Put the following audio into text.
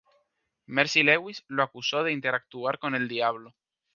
Mercy Lewis lo acusó de interactuar con el diablo.